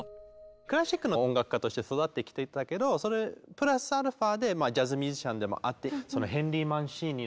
クラシックの音楽家として育ってきていたけどそれプラスアルファでジャズ・ミュージシャンでもあって。